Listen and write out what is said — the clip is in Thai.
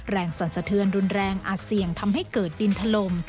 สั่นสะเทือนรุนแรงอาจเสี่ยงทำให้เกิดดินถล่ม